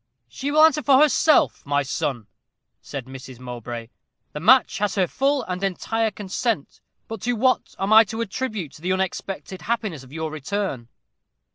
"She will answer for herself, my son," said Mrs. Mowbray. "The match has her full and entire consent. But to what am I to attribute the unexpected happiness of your return?"